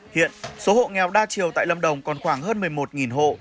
hiện số hộ nghèo đa chiều tại lâm đồng còn khoảng hơn một mươi một hộ